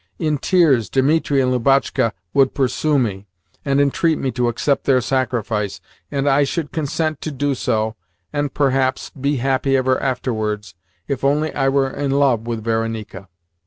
In tears Dimitri and Lubotshka would pursue me, and entreat me to accept their sacrifice, and I should consent to do so, and, perhaps, be happy ever afterwards if only I were in love with Varenika."